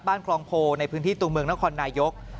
บ้านคลองโพงในพื้นที่ตุ่มเมืองนครนายก